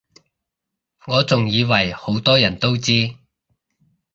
我仲以爲好多人都知